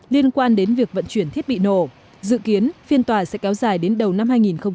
liên quan đến việc vận chuyển thiết bị nổ dự kiến phiên tòa sẽ kéo dài đến đầu năm hai nghìn hai mươi